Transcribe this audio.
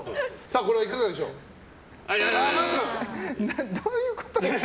これはいかがでしょう？×。